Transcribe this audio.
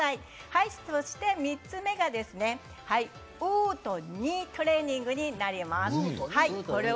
はい、そして３つ目がですね、ウーとニートレーニングになります。